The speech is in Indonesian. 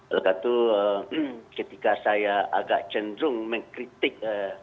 oleh karena itu ketika saya agak cenderung mengkritik